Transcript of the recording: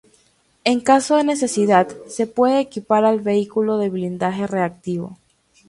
En caso de necesidad, se puede equipar al vehículo de blindaje reactivo.